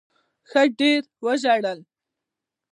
ښه ډېر وژړل.